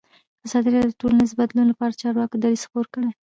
ازادي راډیو د ټولنیز بدلون لپاره د چارواکو دریځ خپور کړی.